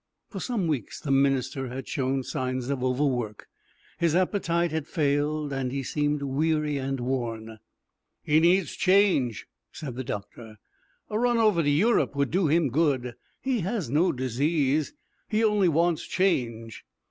For some weeks the minister had shown signs of overwork. His appetite had failed, and he seemed weary and worn. "He needs change," said the doctor. "A run over to Europe would do him good. He has no disease; he only wants change."